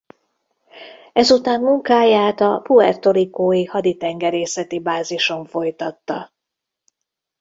Ezután munkáját a Puerto Ricó-i haditengerészeti bázison folytatta.